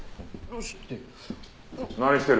どうして？